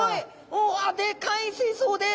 うわでかい水槽です。